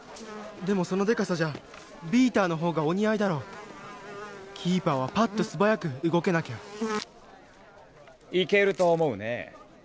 でもそのでかさじゃビーターの方がお似合いだろうキーパーはパッと素早く動けなきゃいけると思うね